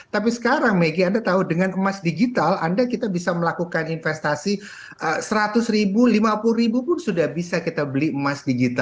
tapi sekarang maggie anda tahu dengan emas digital anda kita bisa melakukan investasi seratus ribu lima puluh ribu pun sudah bisa kita beli emas digital